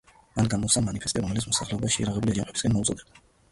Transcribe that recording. მან გამოსცა მანიფესტი, რომელიც მოსახლეობას შეიარაღებული აჯანყებისაკენ მოუწოდებდა.